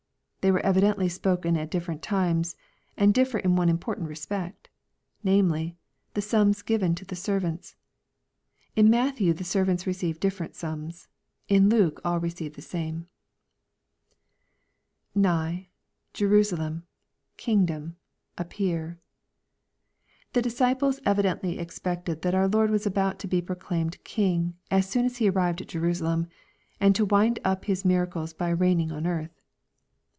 They were evidently spoken at different times, and differ in one important respect, namely, the sums given to the servants. In Matthew the servants receive different sums. In Luke all re ceive the same. [iV'i59'^...t/erttsafem...A;w2^(^om...op>p^^^ ] The disciples evidently ex pected that our Lord was about to be proclaimed king, as soon as He arrived at Jerusalem, and to wind up His miracles by reigning on earth.